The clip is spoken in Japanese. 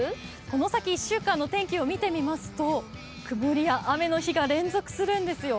この先、１週間の天気を見てみますと、曇りや雨の日が連続するんですよ。